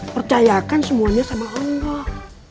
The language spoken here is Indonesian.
percayakan semuanya sama allah